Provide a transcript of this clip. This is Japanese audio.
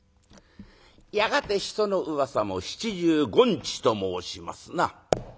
やがて「人の噂も七十五日」と申しますな。